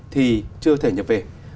thì chưa thể nhập về